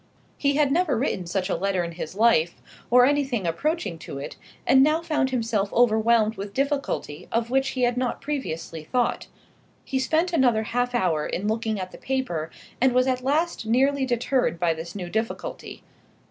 He had never written such a letter in his life, or anything approaching to it, and now found himself overwhelmed with a difficulty of which he had not previously thought. He spent another half hour in looking at the paper, and was at last nearly deterred by this new difficulty.